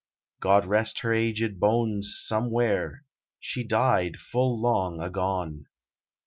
God rest her aged bones somewhere She died full long agone!